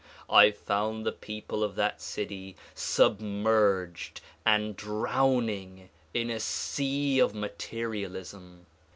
I found the people of that city submerged and drowning in a sea of materialism.